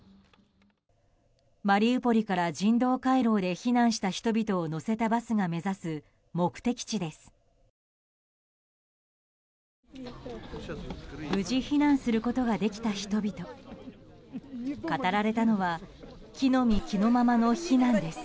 マリウポリから人道回廊で避難した人々を乗せたバスが目指す目的地です。